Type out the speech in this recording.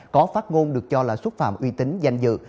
có phát ngôn được cho là xúc phạm uy tín danh dự